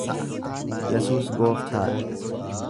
Yesuus Gooftaa dha!